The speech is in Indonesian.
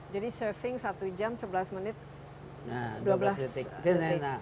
jadi surfing satu jam sebelas menit dua belas detik